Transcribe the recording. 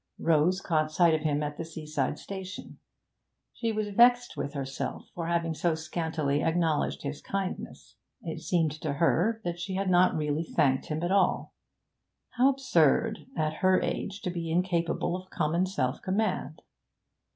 Rose caught sight of him at the seaside station. She was vexed with herself for having so scantily acknowledged his kindness; it seemed to her that she had not really thanked him at all; how absurd, at her age, to be incapable of common self command!